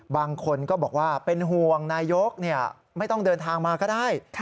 บางคนก็บอกว่าเป็นห่วงนายกไม่ต้องเดินทางมาก็ได้